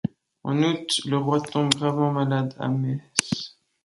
En août, le roi tombe gravement malade à Metz.